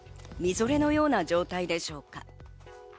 みぞれのような状態でしょうか。